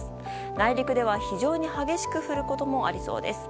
内陸では非常に激しく降ることもありそうです。